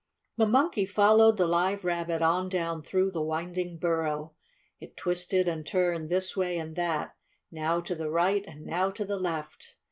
The Monkey followed the Live Rabbit on down through the winding burrow. It twisted and turned, this way and that, now to the right and now to the left.